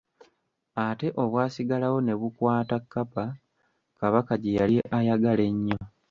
Ate obwasigalawo ne bukwata kapa Kabaka gye yali ayagala ennyo.